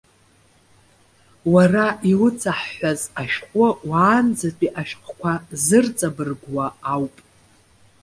Уара иуҵаҳҳәаз ашәҟәы, уаанӡатәи ашәҟәқәа зырҵабыргуа ауп.